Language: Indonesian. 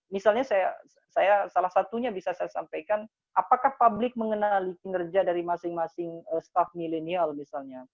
misalnya saya salah satunya bisa saya sampaikan apakah publik mengenali kinerja dari masing masing staff milenial misalnya